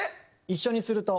一緒にすると。